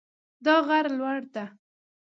دا غر لوړ ده